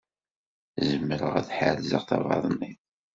Zemreɣ ad ḥerzeɣ tabaḍnit.